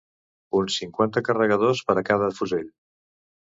Uns cinquanta carregadors per a cada fusell